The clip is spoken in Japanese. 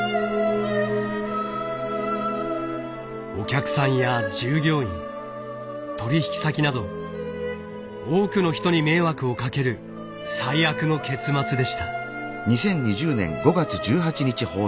お客さんや従業員取引先など多くの人に迷惑をかける最悪の結末でした。